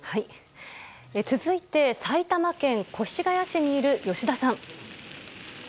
続いて、埼玉県越谷市にいる吉田さん。